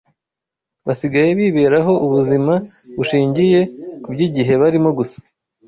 basigaye biberaho ubuzima bushingiye kuby’igihe barimo gusa.